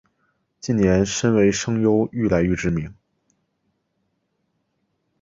近年身为声优愈来愈知名。